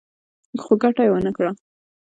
خو ګټه يې ونه کړه.